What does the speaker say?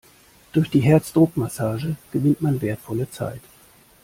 Durch die Herzdruckmassage gewinnt man wertvolle Zeit.